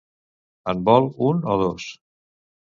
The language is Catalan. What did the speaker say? En vol un o dos?